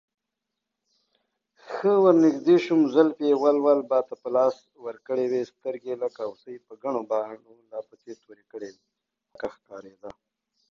Production was halted when Waco Hadrian gliders became available under lease-lend.